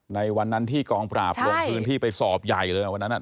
ในวันนั้นที่กองปราบลงพื้นที่ไปสอบใหญ่เลยวันนั้น